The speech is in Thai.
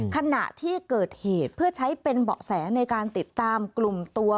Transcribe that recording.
ขณะที่เกิดเหตุเพื่อใช้เป็นเบาะแสในการติดตามกลุ่มตัว